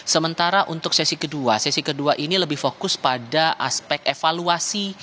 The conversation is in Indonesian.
sementara untuk sesi kedua sesi kedua ini lebih fokus pada aspek evaluasi